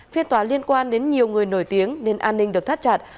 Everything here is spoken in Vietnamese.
phiên tòa liên quan đến nhiều người nổi tiếng nên an ninh được thắt chặt